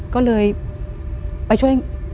ก็เลยไปช่วย